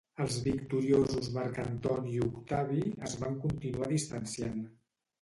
Els victoriosos Marc Antoni i Octavi es van continuar distanciant.